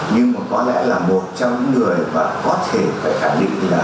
nhưng mà có lẽ là một trong những người mà có thể phải khẳng định là